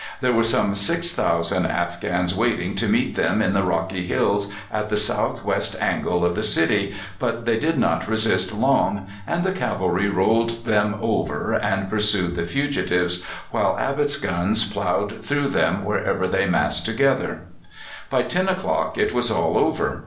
There were some 6,000 Afghans waiting to meet them in the rocky hills at the south west angle of the city, but they did not resist long, and the cavalry rolled them over and pursued the fugitives, while Abbot's guns ploughed through them wherever they massed together. By ten o'clock it was all over.